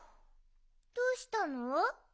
どうしたの？